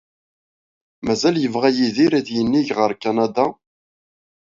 Mazal yebɣa Yidir ad yinig ɣer Kanada?